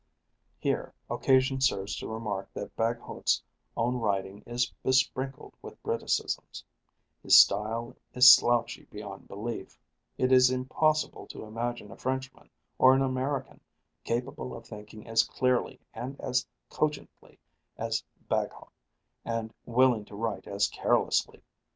Here occasion serves to remark that Bagehot's own writing is besprinkled with Briticisms; his style is slouchy beyond belief; it is impossible to imagine a Frenchman or an American capable of thinking as clearly and as cogently as Bagehot, and willing to write as carelessly.